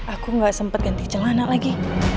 aku gak sempet ganti celana lagi